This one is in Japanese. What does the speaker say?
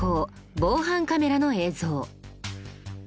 防犯カメラの映像。